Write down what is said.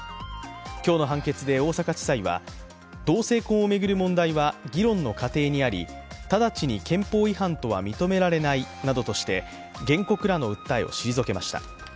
今日の判決で大阪地裁は同性婚を巡る問題は議論の過程にあり直ちに憲法違反とは認められないなどとして原告らの訴えを退けました。